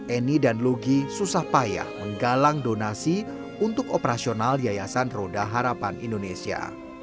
eni dan lugi susah payah menggalang donasi untuk operasional yayasan roda harapan indonesia